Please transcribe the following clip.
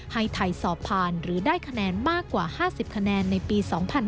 ให้ไทยสอบผ่านหรือได้คะแนนมากกว่า๕๐คะแนนในปี๒๕๕๙